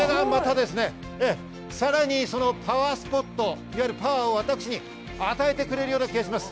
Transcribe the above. さらにそのパワースポット、いわゆるパワーを私に与えてくれるような気がします。